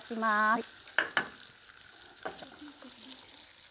はい。